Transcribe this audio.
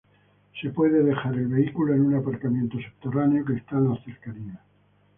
Se puede dejar el vehículo en un aparcamiento subterráneo que está en las cercanías.